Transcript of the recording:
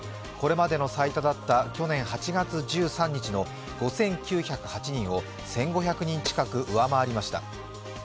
これまでの最多だった去年８月１３日の５９０８人を１５００人近く上回りました。